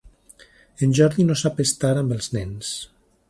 En Jordi no sap estar amb els nens.